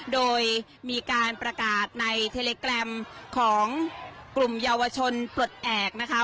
โดยมีการประกาศในเทเลแกรมของกลุ่มเยาวชนปลดแอบนะคะ